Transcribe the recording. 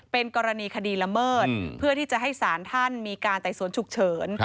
เป็นกรณีคดีละเมิดเพื่อที่จะให้สารท่านมีการไต่สวนฉุกเฉิน